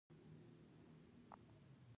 ماته یې وویل